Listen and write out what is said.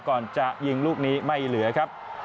ก่อนจะยิงลูกนี้ไม่เหลือครับ